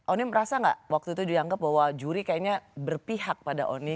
onim merasa nggak waktu itu dianggap bahwa juri kayaknya berpihak pada oni